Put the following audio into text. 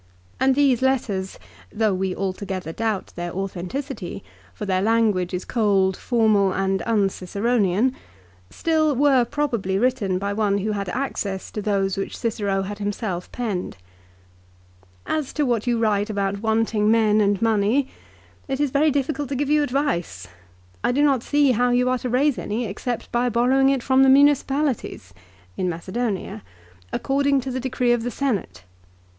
And these letters, though we altogether doubt their THE PHILIPPICS. 261 authenticity, for their language is cold, formal, and un Cicero nian, still were probably written by one who had access to those which Cicero had himself penned. " As to what you write about wanting men and money, it is very difficult to give you advice. I do not see how you are to raise any except by borrowing it from the municipalities," in Macedonia, " according to the decree of the Senate.